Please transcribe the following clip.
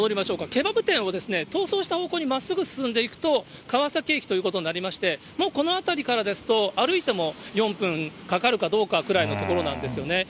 ケバブ店を、逃走した方向にまっすぐ進んでいくと、川崎駅ということになりまして、もうこの辺りからですと、歩いても４分かかるかどうかぐらいの所なんですよね。